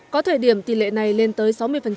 có thời điểm tỷ lệ này lên tới sáu mươi